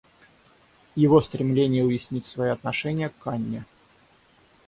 Его стремление уяснить свои отношения к Анне.